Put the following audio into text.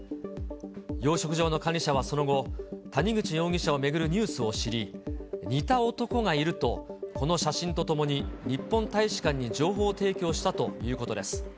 養殖場の管理者はその後、谷口容疑者を巡るニュースを知り、似た男がいると、この写真とともに日本大使館に情報提供したということです。